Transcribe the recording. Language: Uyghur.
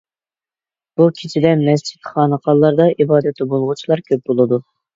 بۇ كېچىدە مەسچىت، خانىقالاردا ئىبادەتتە بولغۇچىلار كۆپ بولىدۇ.